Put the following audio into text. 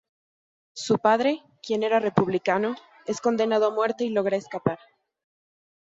Su padre, quien era republicano, es condenado a muerte y logra escapar.